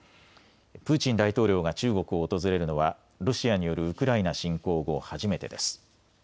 プーチン大統領が中国を訪れるのはロシアによるウクライナ侵攻後、初めてです。